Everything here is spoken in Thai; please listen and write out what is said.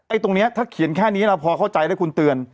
ตรงนี้ถ้าเขียนแค่นี้เราพอเข้าใจแล้วคุณเตือน